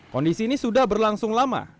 kondisi ini sudah berlangsung lama